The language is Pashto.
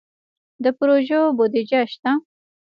د پروژو بودیجه شته؟